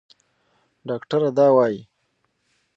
ډاکټره دا وايي.